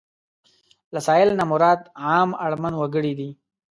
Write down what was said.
له سايل نه مراد عام اړمن وګړي دي.